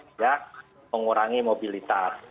untuk mengurangi mobilitas